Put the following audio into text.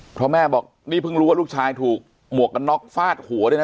เพราะแม่บอกนี่เพิ่งรู้ว่าลูกชายถูกหมวกกันน็อกฟาดหัวด้วยนะ